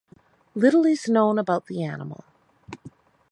Little is known about the animal.